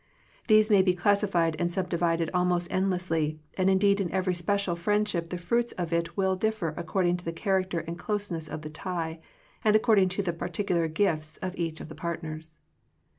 These may be classified and sub divided almost endlessly, and indeed in every special friendship the fruits of it will differ according to the character and closeness of the tie, and according to the particular gifts of each of the partners.